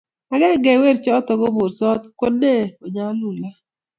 agenge eng' werichoto ko borsot ko nee ko nyalulat.